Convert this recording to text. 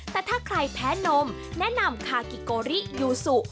แต่ถ้าใครแพ้นมแนะนำคากิโกริยูซู